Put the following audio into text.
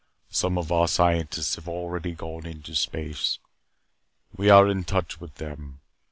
Some of our scientists have already gone into space. We are in touch with them.